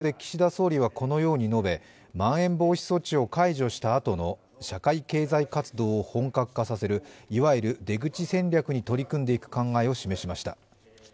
自民党の会合で岸田総理はこのように述べまん延防止措置を解除したあとの社会経済活動を本格化させるいわゆる出口戦略に取り組んでいく考えを強調しました。